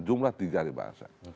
jumlah tiga alih bahasa